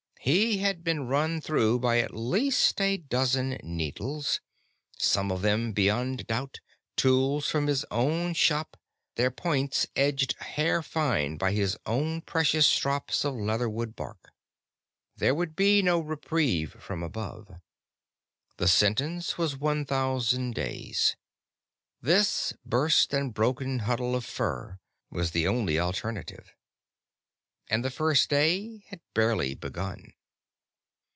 He had been run through by at least a dozen needles some of them, beyond doubt, tools from his own shop, their points edged hair fine by his own precious strops of leatherwood bark. There would be no reprieve from above. The sentence was one thousand days. This burst and broken huddle of fur was the only alternative. And the first day had barely begun.